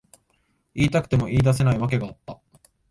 言いたくても言い出せない訳があった。